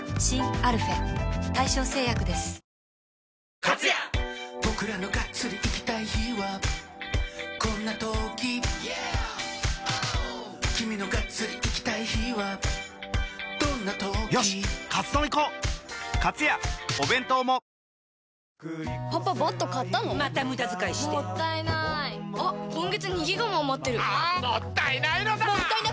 あ‼もったいないのだ‼